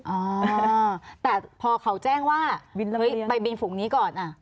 อ่า้แต่พอเขาแจ้งว่าเห้ยไปบินฝุ่งนี้ก่อน